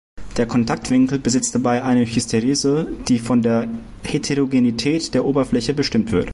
Der Kontaktwinkel besitzt dabei eine Hysterese, die von der Heterogenität der Oberfläche bestimmt wird.